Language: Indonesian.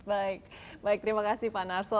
baik baik terima kasih pak narso